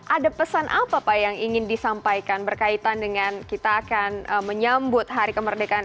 ada pesan apa pak yang ingin disampaikan berkaitan dengan kita akan menyambut hari kemerdekaan